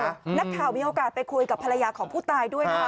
นักข่าวมีโอกาสไปคุยกับภรรยาของผู้ตายด้วยนะคะ